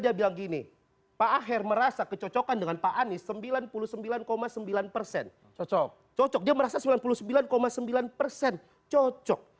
yang gini pak her merasa kecocokan dengan pani sembilan puluh sembilan sembilan persen yokep cocoknya merasa sembilan puluh sembilan sembilan persen cocok